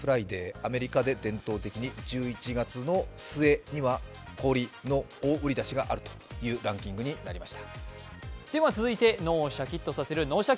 アメリカで伝統的に１１月の末には小売りの大売出しがあるというランキングがありました。